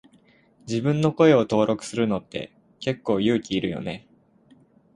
自分の声を登録するのって結構勇気いるよね。